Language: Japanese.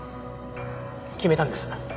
決めたんです